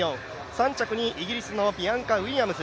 ３着にイギリスのビアンカ・ウィリアムズ。